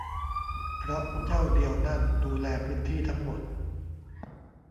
เพราะเจ้าเดียวนั่นดูแลพื้นที่ทั้งหมด